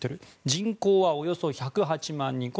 人口はおよそ１０８万人。